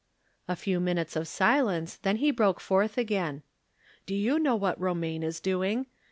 A few minutes of silence, then he broke forth again :" Do you know what Romaine is doing.